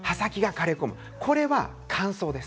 これは乾燥です。